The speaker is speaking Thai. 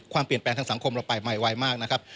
ความเปลี่ยนแปลงทางสังคมเราไปใหม่ไวมากนะครับ